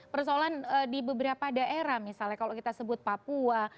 persoalan di beberapa daerah misalnya kalau kita sebut papua